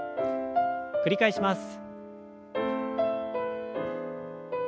繰り返します。